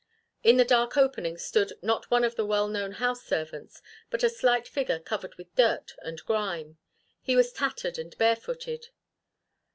In the dark opening stood not one of the well known house servants, but a slight figure covered with dirt and grime. He was tattered and barefooted.